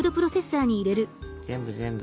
全部全部。